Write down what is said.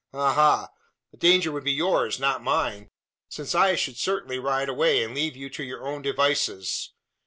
Ha! ha! The danger would be yours, not mine: since I should certainly ride away, and leave you to your own devices.